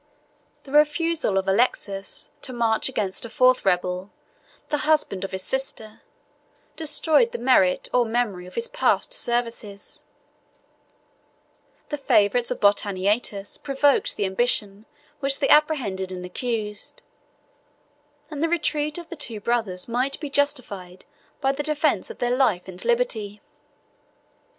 The refusal of Alexius to march against a fourth rebel, the husband of his sister, destroyed the merit or memory of his past services: the favorites of Botaniates provoked the ambition which they apprehended and accused; and the retreat of the two brothers might be justified by the defence of their life and liberty.